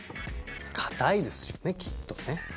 堅いですよねきっとね。